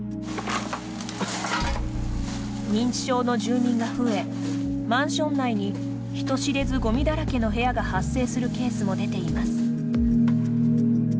認知症の住民が増えマンション内に人知れずゴミだらけの部屋が発生するケースも出ています。